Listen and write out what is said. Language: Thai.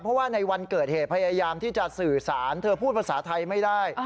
เพราะว่าในวันเกิดเหตุพยายามที่จะสื่อสารเธอพูดภาษาไทยไม่ได้